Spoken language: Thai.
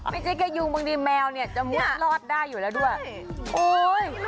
ไม่ใช่แค่ยุงบางทีแมวจะรอดได้อยู่แล้วด้วย